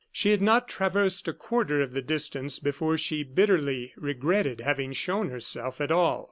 She had not traversed a quarter of the distance before she bitterly regretted having shown herself at all.